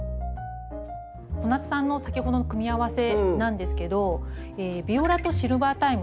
小夏さんの先ほどの組み合わせなんですけどビオラとシルバータイム。